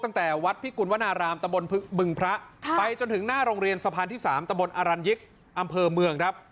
ตั้งแต่วัดพิกุลวนารามตะบนบึงพระไปจนถึงหน้าโรงเรียนสะพานที่๓ตะบนอรัญยิกษ์อำเภอเมืองครับ